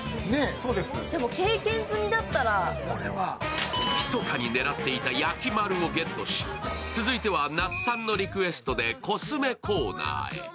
じゃあ、もう経験済みだったらひそかに狙っていたやきまるをゲットし続いては那須さんのリクエストでコスメコーナーへ。